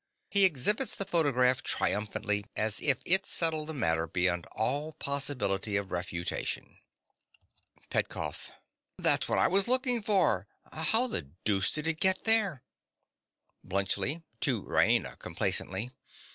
(He exhibits the photograph triumphantly, as if it settled the matter beyond all possibility of refutation.) PETKOFF. That's what I was looking for. How the deuce did it get there? BLUNTSCHLI. (to Raina complacently).